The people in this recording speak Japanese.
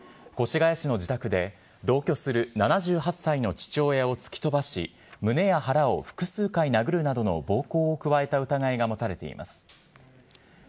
けさ送検された広瀬津嘉容疑者はおととい未明、越谷市の自宅で、同居する７８歳の父親を突き飛ばし、胸や腹を複数回殴るなどの暴行を加えた疑いが持たれています。